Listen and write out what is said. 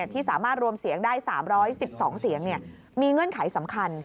ที่สามารถรวมเสียงได้๓๑๒เสียงมีเงื่อนไขสำคัญ